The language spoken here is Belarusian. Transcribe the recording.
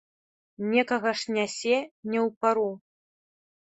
Некага ж нясе не ў пару.